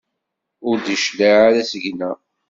Ur d-tecliɛeḍ ara seg-neɣ.